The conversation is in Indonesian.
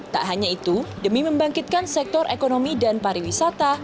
tak hanya itu demi membangkitkan sektor ekonomi dan pariwisata